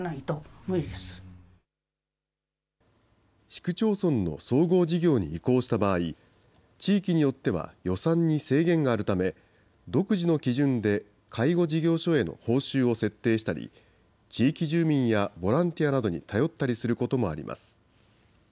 市区町村の総合事業に移行した場合、地域によっては予算に制限があるため、独自の基準で介護事業所への報酬を設定したり、地域住民やボランティアなどに頼ったりすることもあります。